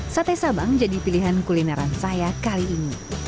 sate sabang jadi pilihan kulineran saya kali ini